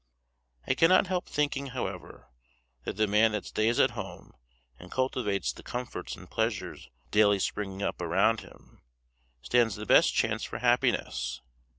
I cannot help thinking, however, that the man that stays at home, and cultivates the comforts and pleasures daily springing up around him, stands the best chance for happiness.